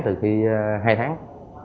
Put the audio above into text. từ khi hai tháng